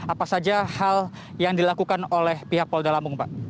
apa saja hal yang dilakukan oleh pihak polda lampung pak